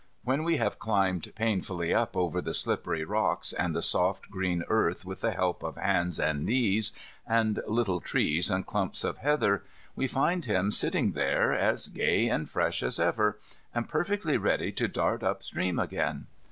When we have climbed painfully up over the slippery rocks and the soft green earth with the help of hands and knees, and little trees, and clumps of heather, we find him sitting there, as gay and fresh as ever, and perfectly ready to dart up stream again.